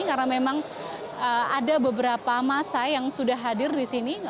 karena memang ada beberapa masa yang sudah hadir di sini